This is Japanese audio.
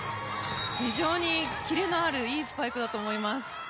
非常にキレのあるいいスパイクだと思います。